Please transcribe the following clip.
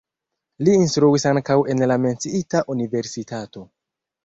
Li instruis ankaŭ en la menciita universitato.